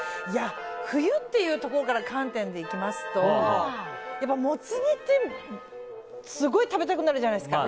冬っていう観点からいきますともつ煮ってすごい食べたくなるじゃないですか。